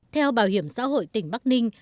theo bảo hiểm xã hội tỉnh bắc ninh